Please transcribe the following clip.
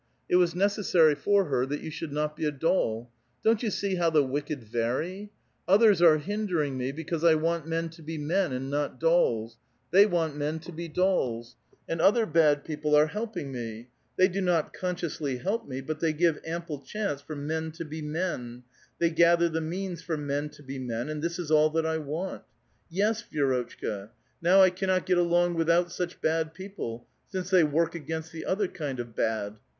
It was necessary for her that you should not be a doll. Don't you see how the wicked vary ? Othei's are hiu dering me, because I want men to be men, and not dolls ; they want men to be dolls. And other bad people are help ing me. They do not consciously help me, but they "give ample chance for men to be men ; they gather the means for men to be men, and this is all that I want. Yes, Vierotehka, now I cannot get along without such bad people, since they work against the other kind of bad.